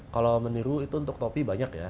kalau meniru itu untuk topi banyak ya